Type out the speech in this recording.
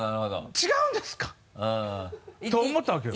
違うんですか？と思ったわけよ。